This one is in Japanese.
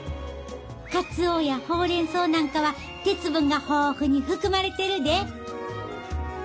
カツオやほうれん草なんかは鉄分が豊富に含まれてるで。